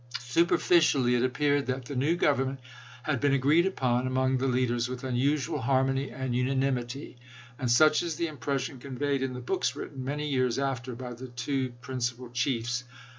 Superficially, it appeared that the new govern ment had been agreed upon among the leaders, with unusual harmony and unanimity; and such is the impression conveyed in the books written many years after by the two principal chiefs.